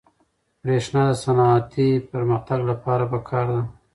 برېښنا د صنعتي پرمختګ لپاره پکار ده.